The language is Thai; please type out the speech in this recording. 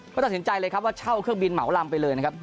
ก็ตัดสินใจเลยครับว่าเช่าเครื่องบินเหมาลำไปเลยนะครับ